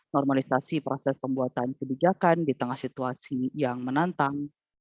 normalisasi proses pembuatan kebijakan di tengah situasi yang menantang